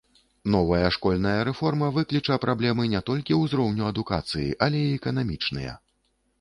Новая школьная рэформа выкліча праблемы не толькі ўзроўню адукацыі, але і эканамічныя.